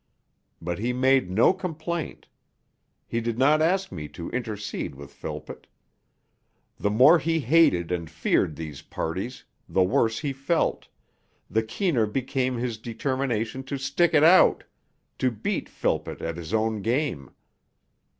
But he made no complaint; he did not ask me to intercede with Philpott. The more he hated and feared these parties, the worse he felt, the keener became his determination to stick it out, to beat Philpott at his own game.